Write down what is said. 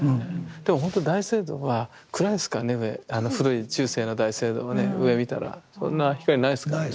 でもほんと大聖堂は暗いですからね上古い中世の大聖堂はね上見たらそんな光ないですからね。